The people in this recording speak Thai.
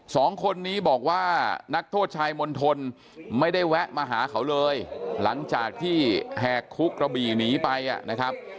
สองคนนี้บอกว่านักโทษชายมณฑลไม่ได้แวะมาหาเขาเลยหลังจากที่แหกคุกกระบี่หนีไปนะครับ